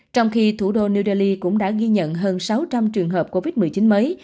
trong khi thủ đô new delhi cũng đã ghi nhận hơn sáu trăm linh trường hợp covid một mươi chín mới